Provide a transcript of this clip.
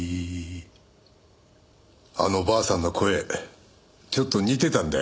あのばあさんの声ちょっと似てたんだよ。